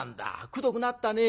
くどくなったね。